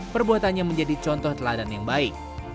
perbuatannya menjadi contoh teladan yang baik